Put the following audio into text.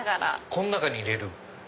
この中に入れる。